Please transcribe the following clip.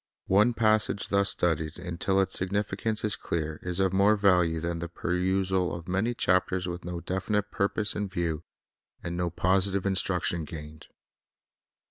One passage thus studied until its significance is clear, is of more value than the perusal of many chapters with no definite purpose in view, and no positive instruction gained.